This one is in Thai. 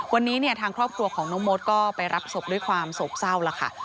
วันนี้เนี่ยทางครอบครัวของน้องมดก็ไปรับศพด้วยความโศกเศร้าแล้วค่ะ